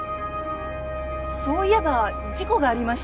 そういえば事故がありました。